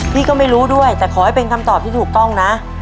พี่ก็ไม่รู้ด้วยแต่ขอให้เป็นคำตอบที่ถูกต้องนะ